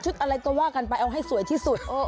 อะไรก็ว่ากันไปเอาให้สวยที่สุด